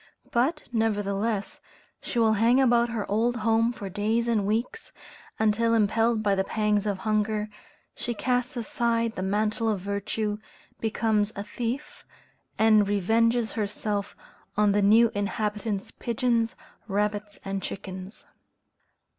But, nevertheless, she will hang about her old home for days and weeks, until, impelled by the pangs of hunger, she casts aside the mantle of virtue, becomes a thief, and revenges herself on the new inhabitant's pigeons, rabbits, and chickens.